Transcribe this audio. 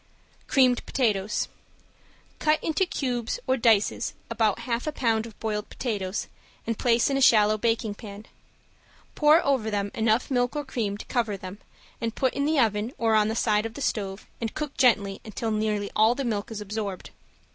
~CREAMED POTATOES~ Cut into cubes or dices about half a pound of boiled potatoes and place in a shallow baking pan. Pour over them enough milk or cream to cover them and put in the oven or on the side of the stove and cook gently until nearly all the milk is absorbed.